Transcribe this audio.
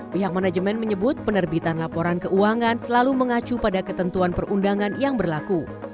pihak manajemen menyebut penerbitan laporan keuangan selalu mengacu pada ketentuan perundangan yang berlaku